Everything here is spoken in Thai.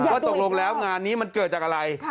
ว่าตกลงแล้วงานนี้มันเกิดจากอะไร